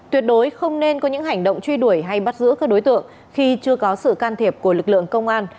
tuyệt đối không nên có những hành động truy đuổi hay bắt giữ các đối tượng khi chưa có sự can thiệp của lực lượng công an